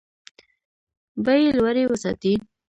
بیې لوړې وساتي.